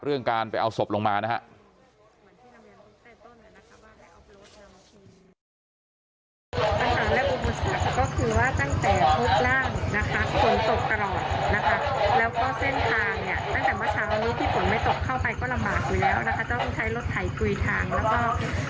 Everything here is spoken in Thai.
เรื่องการไปเอาศพลงมานะฮะ